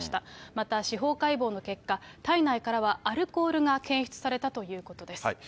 また司法解剖の結果、体内からはアルコールが検出されたということです。